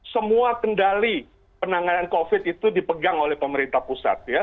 semua kendali penanganan covid itu dipegang oleh pemerintah pusat ya